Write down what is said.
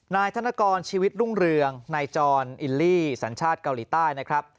นายธนกรชีวิตรุ่งเรืองนายจรอิลลี่สัญชาติเกาหลีใต้นะครับ